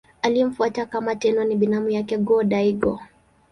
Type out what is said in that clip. Aliyemfuata kama Tenno ni binamu yake Go-Daigo.